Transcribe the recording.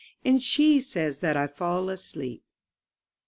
And she says that I fall asleep.